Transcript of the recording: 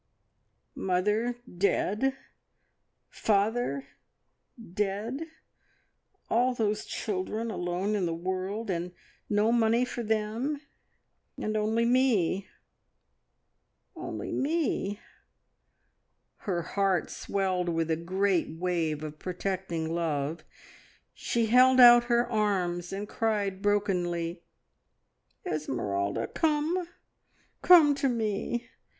"Mother dead father dead! All those children alone in the world, and no money for them, and only me only me " Her heart swelled with a great wave of protecting love; she held out her arms and cried brokenly, "Esmeralda, come come to me.